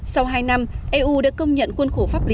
sau hai năm eu đã công nhận khuôn khổ pháp lý